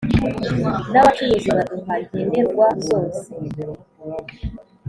N’abacuruzi baduha nkenerwa zose